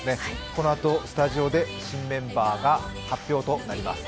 このあとスタジオで新メンバーが発表となります。